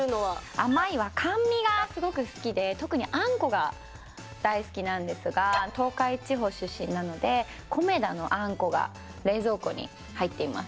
甘いは甘味がすごく好きで、特にあんこが大好きなんですが、東海地方出身なので、コメダのあんこが冷蔵庫に入っています。